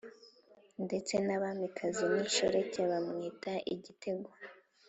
ndetse n’abamikazi n’inshoreke bamwita igitego,